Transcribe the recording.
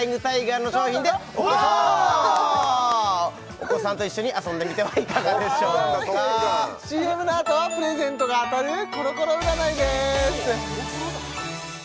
お子さんと一緒に遊んでみてはいかがでしょうかＣＭのあとはプレゼントが当たるコロコロ占いです